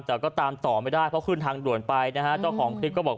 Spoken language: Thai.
แต่ก็ตามต่อไม่ได้เพราะขึ้นทางสี่หลวนไปนะฮะ